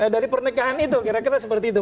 dari pernikahan itu kira kira seperti itu